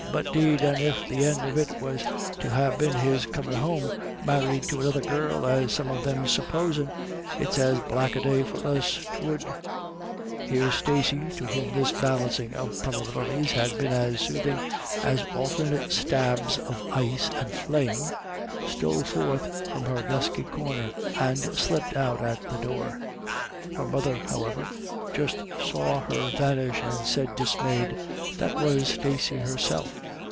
But 'deed, and if the end of it was to ha' been his comin' home married to another girl, as some of them's supposing it's as black a day for us 'twould " Here Stacey, to whom this balancing of proba bilities had been as soothing as alternate stabs of ice and flame, stole forth from her dusky corner, and slipped out at the door. Her mother, however, just saw her vanish, and said dismayed :" That was Stacey herself.